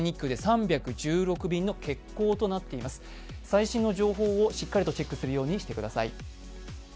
最新の情報をしっかりとチェックするようにしてください。